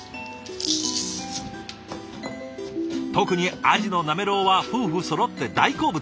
特にあじのなめろうは夫婦そろって大好物。